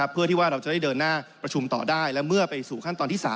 เพื่อที่ว่าเราจะได้เดินหน้าประชุมต่อได้และเมื่อไปสู่ขั้นตอนที่๓